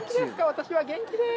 私は元気です！